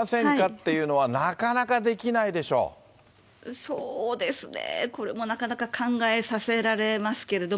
っていうのは、なかなかできないそうですね、これもなかなか考えさせられますけども。